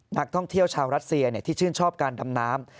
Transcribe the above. นักท่องเที่ยวชาวรัสเซียที่ชื่นชอบการดำน้ำ